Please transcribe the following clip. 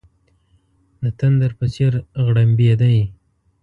د تندر په څېر غړمبېدی.